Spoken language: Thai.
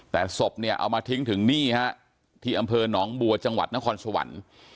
แต่ศพเนี่ยเอามาทิ้งถึงนี่ฮะที่อำเภอหนองบัวจังหวัดนครสวรรค์